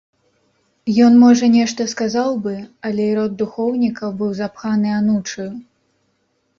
Ён, можа, нешта сказаў бы, але і рот духоўніка быў запханы анучаю.